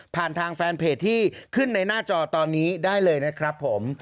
ทางแฟนเพจที่ขึ้นในหน้าจอตอนนี้ได้เลยนะครับผม